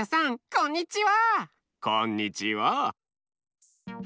こんにちは。